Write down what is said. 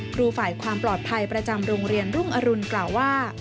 ครูฝ่ายความปลอดภัยประจำโรงเรียนรุ่งอรุณกล่าวว่า